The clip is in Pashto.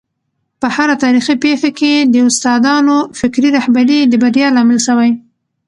په هره تاریخي پېښه کي د استادانو فکري رهبري د بریا لامل سوی.